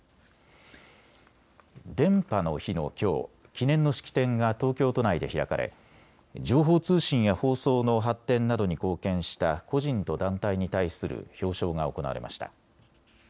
電波の日のきょう記念の式典が東京都内で開かれ情報通信や放送の発展などに貢献した個人と団体に対する表彰が行われました。